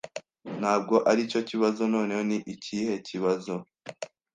"Ntabwo aricyo kibazo." "Noneho ni ikihe kibazo?"